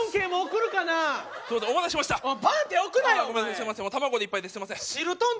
すいません卵でいっぱいですいません。